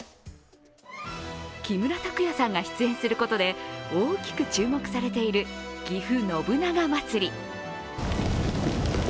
木村拓哉さんが出演することで大きく注目されている、ぎふ信長まつり。